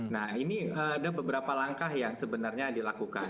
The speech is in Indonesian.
nah ini ada beberapa langkah yang sebenarnya dilakukan